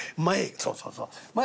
「そうそうそう前へ。